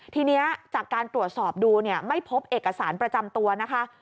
ทีนี้จากการตรวจสอบดูเนี่ยไม่พบเอกสารประจำตัวนะคะ